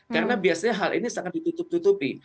karena biasanya hal ini sangat ditutup tutupi